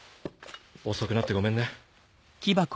遅くなってごめんね。